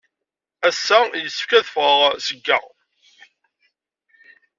Ass-a, yessefk ad ffɣeɣ seg-a.